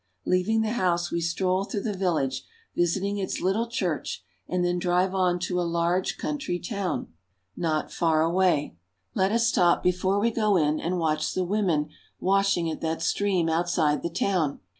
Leaving the house, we stroll through the village, visiting its little church, and then drive on to a large country town 92 FRANCE. not far away. Let us stop before we go in, and watch the women washing at that stream outside the town.